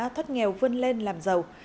thoát nghèo vươn lên làm giàu